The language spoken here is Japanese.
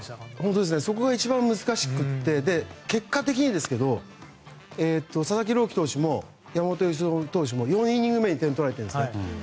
そこが一番難しくて結果的に、佐々木朗希投手も山本由伸投手も４イニング目に点を取られているんです。